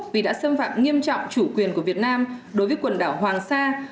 vì đã xâm phạm nghiêm trọng chủ quyền của việt nam đối với quần đảo hoàng sa